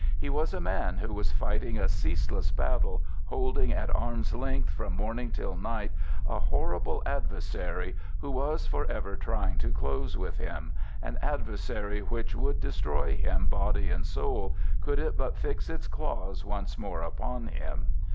He was a man who was fighting a ceaseless battle, holding at arm's length, from morning till night, a horrible adversary, who was for ever trying to close with him—an adversary which would destroy him body and soul could it but fix its claws once more upon him.